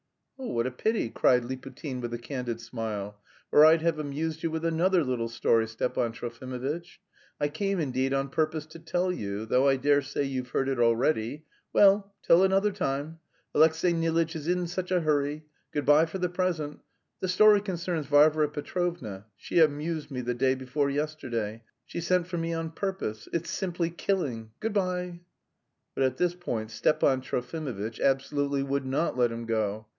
"Oh, what a pity!" cried Liputin with a candid smile, "or I'd have amused you with another little story, Stepan Trofimovitch. I came, indeed, on purpose to tell you, though I dare say you've heard it already. Well, till another time, Alexey Nilitch is in such a hurry. Good bye for the present. The story concerns Varvara Petrovna. She amused me the day before yesterday; she sent for me on purpose. It's simply killing. Good bye." But at this Stepan Trofimovitch absolutely would not let him go.